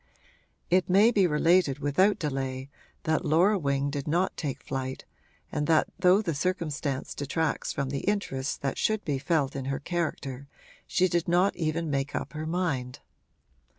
It may be related without delay that Laura Wing did not take flight and that though the circumstance detracts from the interest that should be felt in her character she did not even make up her mind.